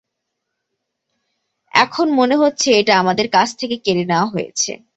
এখন, মনে হচ্ছে এটা আমাদের কাছ থেকে কেড়ে নেওয়া হয়েছে।